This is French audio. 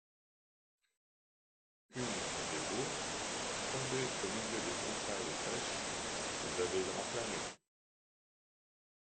Une des bourres, tombée au milieu des broussailles sèches, les avait enflammées.